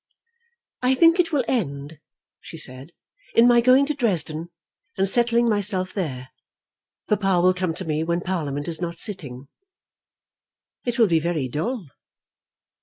"I think it will end," she said, "in my going to Dresden, and settling myself there. Papa will come to me when Parliament is not sitting." "It will be very dull."